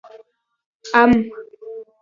🥭 ام